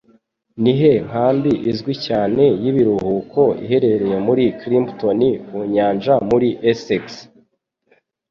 Nihe nkambi izwi cyane yibiruhuko iherereye muri Crimpton Ku nyanja Muri Essex?